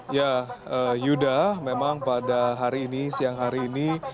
ya yuda memang pada hari ini siang hari ini